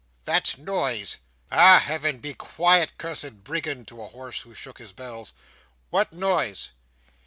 "That noise?" "Ah Heaven, be quiet, cursed brigand!" to a horse who shook his bells "What noise?"